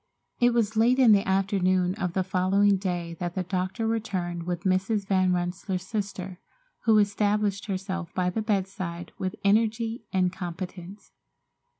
It was late in the afternoon of the following day that the doctor returned with Mrs. Van Rensselaer's sister, who established herself by the bedside with energy and competence.